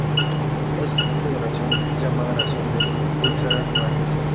Este tipo de reacción es llamada reacción de Bucherer-Bergs.